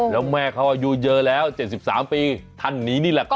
แล้วแม่เขาอายุเยอะแล้ว๗๓ปีท่านนี้นี่แหละครับ